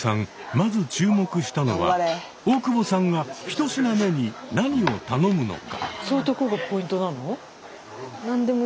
まず注目したのは大久保さんが１品目に何を頼むのか？